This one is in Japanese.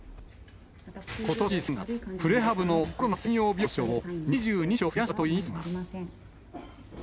ことし３月、プレハブのコロナ専用病床を２２床増やしたといいますが。